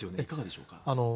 いかがでしょうか。